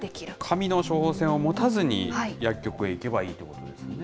紙の処方箋を持たずに、薬局へ行けばいいということですね。